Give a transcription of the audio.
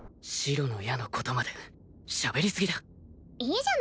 白の矢のことまでしゃべりすぎだいい